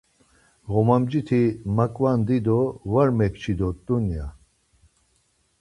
Ğomamciti makvandi do var mekçi dort̆unaaa…